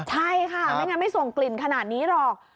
ใช่ค่ะไม่ส่งกลิ่นขนาดนี้หรอก